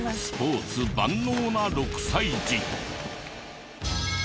スポーツ万能な６歳児。